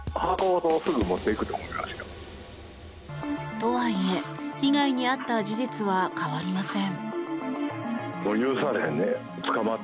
とはいえ、被害に遭った事実は変わりません。